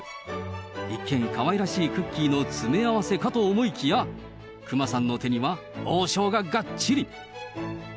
一見、かわいらしいクッキーの詰め合わせかと思いきや、熊さんの手には、王将ががっちり。